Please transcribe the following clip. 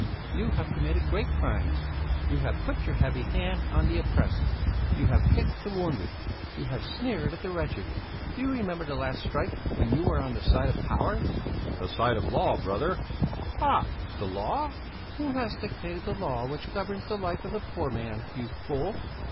You have committed great crimes! You have put your heavy hand on the oppressed; you have kicked the wounded; you have sneered at the wretched. Do you remember the last strike when you were on the side of power?" "The side of the law, brother!" "Haha! The law! Who has dictated the law which governs the life of the poor man, you fool!